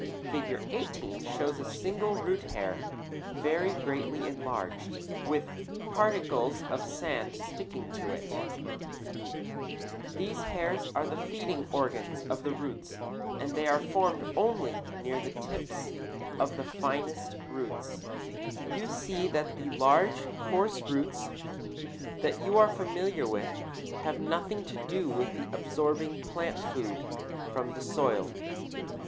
Fig. 18 shows a single root hair very greatly enlarged, with particles of sand sticking to it. [Illustration: FIG. 17. A SLICE OF A ROOT Highly magnified] These hairs are the feeding organs of the roots, and they are formed only near the tips of the finest roots. You see that the large, coarse roots that you are familiar with have nothing to do with absorbing plant food from the soil.